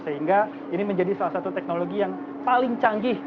sehingga ini menjadi salah satu teknologi yang paling canggih